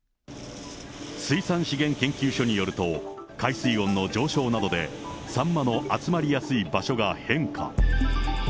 水産資源研究所によると、海水温の上昇などで、サンマの集まりやすい場所が変化。